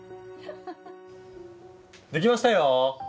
できましたよ！